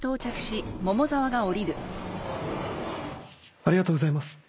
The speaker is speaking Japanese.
ありがとうございます。